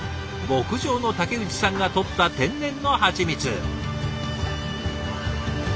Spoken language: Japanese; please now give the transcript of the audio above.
牧場の竹内さんがとった天然のハチミツ。